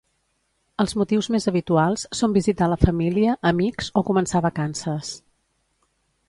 Els motius més habituals són visitar la família, amics o començar vacances.